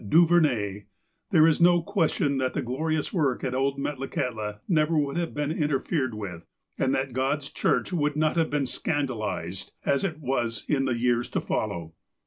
Du Veruet, there is no question but that the glorious work at old Metlakahtla never would have been interfered with, and that God's Church would not have been scandalized, as it was in the years to follow.